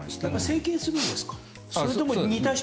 整形しているんですか？